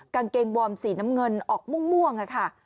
กางเกงวอร์มสีน้ำเงินออกม่วงค่ะ